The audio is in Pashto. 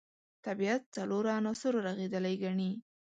طبیعت څلورو عناصرو رغېدلی ګڼي.